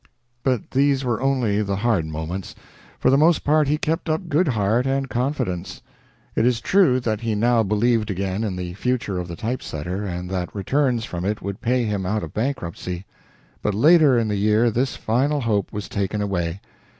But these were only the hard moments. For the most part he kept up good heart and confidence. It is true that he now believed again in the future of the type setter, and that returns from it would pay him out of bankruptcy. But later in the year this final hope was taken away.